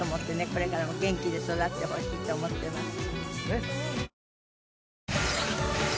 これからも元気で育ってほしいと思ってます